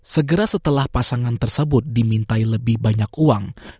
segera setelah pasangan tersebut dimintai lebih banyak uang